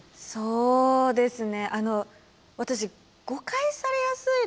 そうですね。